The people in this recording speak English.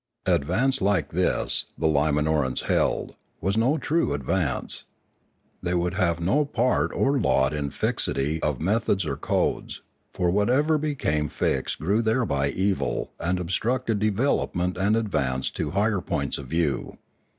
Advance like this, the Limanorans held, was no true advance. They would have no part or lot in fixity of methods or codes, for whatever became fixed grew thereby evil and obstructed development and advance to higher points of view.